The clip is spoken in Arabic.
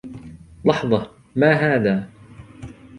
لحظة! ما هذا؟